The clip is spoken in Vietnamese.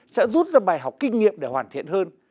sẽ rút ra bài học kinh nghiệm để hoàn thiện hơn